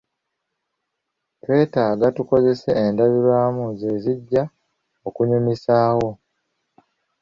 Twetaaga tukozese endabirwamu ze zijja okunyumisaawo.